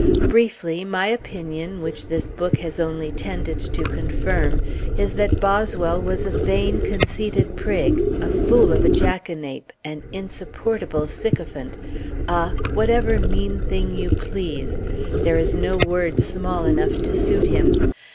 Briefly, my opinion, which this book has only tended to confirm, is that Boswell was a vain, conceited prig, a fool of a jackanape, an insupportable sycophant, a whatever mean thing you please; there is no word small enough to suit him.